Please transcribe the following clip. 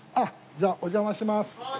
じゃあお邪魔します。